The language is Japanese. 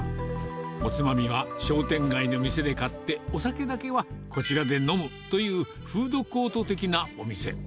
おつまみは商店街の店で買って、お酒だけはこちらで飲むというフードコート的なお店。